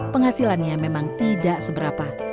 penghasilannya memang tidak seberapa